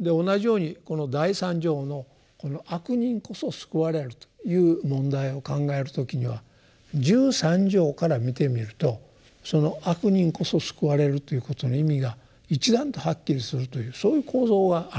同じようにこの第三条のこの悪人こそ救われるという問題を考える時には十三条から見てみるとその悪人こそ救われるということの意味が一段とはっきりするというそういう構造があるんですね。